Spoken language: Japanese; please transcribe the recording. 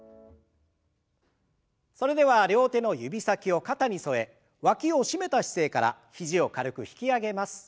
それでは両手の指先を肩に添えわきを締めた姿勢から肘を軽く引き上げます。